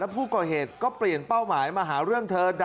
ผู้ก่อเหตุก็เปลี่ยนเป้าหมายมาหาเรื่องเธอ